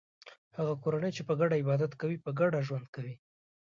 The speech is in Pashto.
هغه کورنۍ چې په ګډه عبادت کوي په ګډه ژوند کوي.